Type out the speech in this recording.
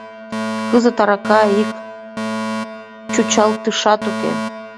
Кызыт арака ик чӱчалтышат уке.